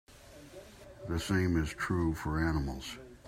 The same is true for animals.